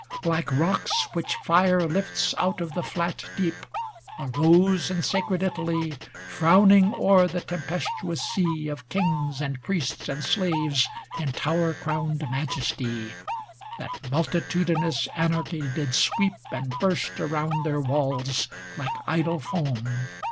Like rocks which fire lifts out of the flat deep, Arose in sacred Italy, Frowning o'er the tempestuous sea Of kings, and priests, and slaves, in tower crowned majesty; That multitudinous anarchy did sweep And burst around their walls, like idle foam.